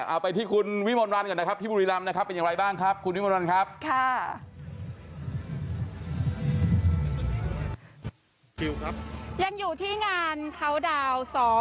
เอาไปที่วิมนต์วันเถอะ๙๕๕๕๒๕